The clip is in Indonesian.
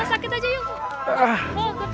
bang sakit aja yuk